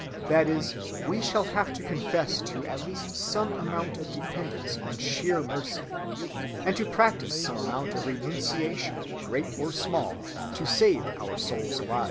That is, we shall have to confess to at least some amount of dependence on sheer mercy, and to practice some amount of renunciation, great or small, to save our souls alive.